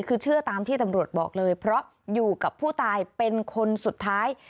คือเชื่อตามที่ตำรวจบอกเลยเพราะอยู่กับผู้ตายเป็นคนสุดท้าย